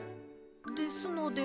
ですので。